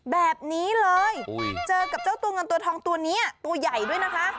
แบบนี้เลยเจอกับเจ้าตัวเงินตัวทองตัวนี้ตัวใหญ่ด้วยนะคะ